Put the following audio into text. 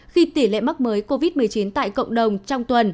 khi tỷ lệ mắc mới covid một mươi chín tại cộng đồng trong tuần